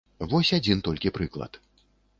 Вось адзін толькі прыклад.